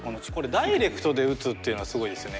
ダイレクトで打つっていうのはすごいですよね。